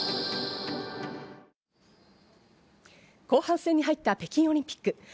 後半戦に入った北京オリンピック。